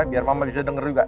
biar mama juga denger juga